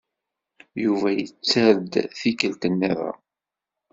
Yuba yetter-d tikkelt niḍen.